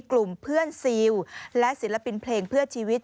กลุ่มเพื่อนซีลและศิลปินเพลงเพื่อชีวิต